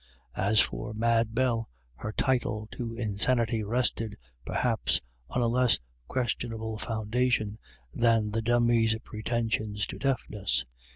As for Mad Bell, her title to insanity rested, perhaps, on a less questionable foundation than the Dummy's pretensions to deafness.